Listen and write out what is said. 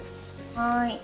はい。